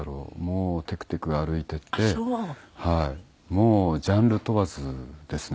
もうジャンル問わずですね。